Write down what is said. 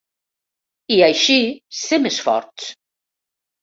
I així ser més forts.